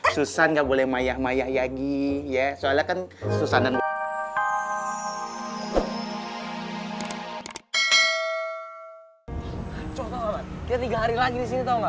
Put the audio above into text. susah nggak boleh mayah maya yagi ya soalnya kan susanan